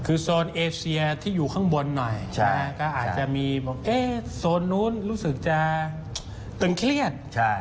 คือโซนเอเชียที่อยู่ข้างบนหน่อยก็อาจจะมีบอกโซนนู้นรู้สึกจะตึงเครียด